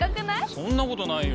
そんなことないよ。